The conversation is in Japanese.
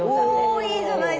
おいいじゃないですか。